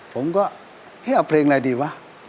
ผมก็เอ๊ะเอาเพลงอะไรดีวะ